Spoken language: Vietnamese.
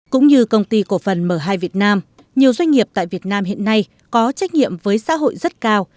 cũng như công ty cổ phần m hai việt nam nhiều doanh nghiệp tại việt nam hiện nay có trách nhiệm với xã hội rất cao